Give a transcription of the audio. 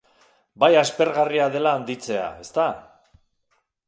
Bai aspergarria dela handitzea, ezta?